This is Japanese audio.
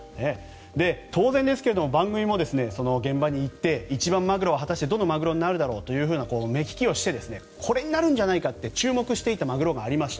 当然ですけれども番組もその現場に行って一番マグロは果たしてどのマグロになるだろうと目利きをしてこれになるんじゃないかって注目していたマグロがありました。